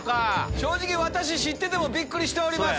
正直私知っててもびっくりしております。